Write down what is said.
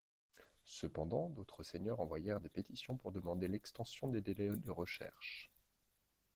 Cependant d'autres seigneurs envoyèrent des pétitions pour demander l'extension des délais de recherche.